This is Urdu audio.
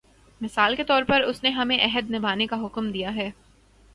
مثال کے طور پر اس نے ہمیں عہد نبھانے کا حکم دیا ہے۔